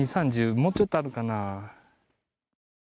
もうちょっとあるかな。